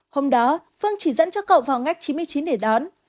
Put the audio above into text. hôm đó phương chỉ dẫn cho cậu vào ngách chín mươi chín để đón